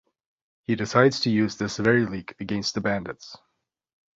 He decides to use this very leak against the bandits.